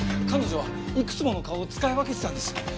彼女はいくつもの顔を使い分けてたんです。